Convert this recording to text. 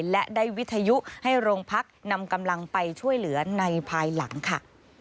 และได้วิทยุให้โรงพักนำกำลังไปช่วยเหลือในภายหลังค่ะ